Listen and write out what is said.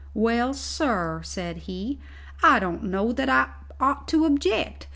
"Well, sir," said he, "I don't know that I ought to object.